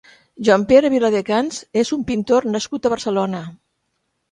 Joan-Pere Viladecans és un pintor nascut a Barcelona.